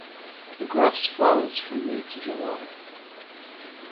The grass flowers from May to July.